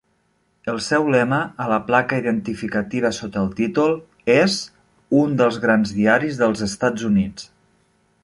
El seu lema, a la placa identificativa sota el títol, és "Un dels grans diaris dels Estats Units".